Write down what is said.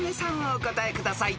お答えください］